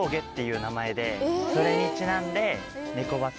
それにちなんで。